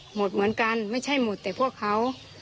หมดเหมือนกันไม่ใช่หมดแต่พวกเขา